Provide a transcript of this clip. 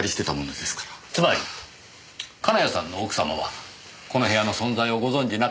つまり金谷さんの奥様はこの部屋の存在をご存じなかった。